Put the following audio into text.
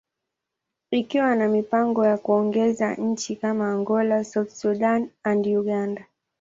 ikiwa na mipango ya kuongeza nchi kama Angola, South Sudan, and Uganda.